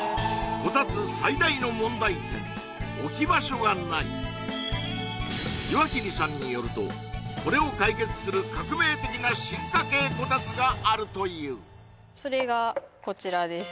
こたつ岩切さんによるとこれを解決する革命的な進化系こたつがあるというそれがこちらです